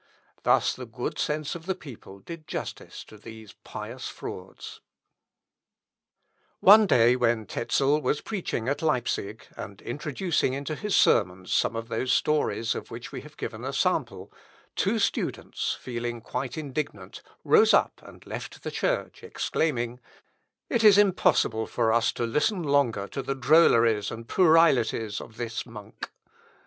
Thus the good sense of the people did justice to these pious frauds. Musculi Loci Communes, p. 362. One day when Tezel was preaching at Leipsic, and introducing into his sermons some of those stories of which we have given a sample, two students feeling quite indignant, rose up and left the church, exclaiming, "It is impossible for us to listen longer to the drolleries and puerilities of this monk."